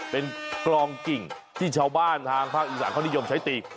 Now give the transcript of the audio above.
เป็นกลองกิ่งที่ชาวบ้านทางภาคอีสานเขานิยมใช้ตี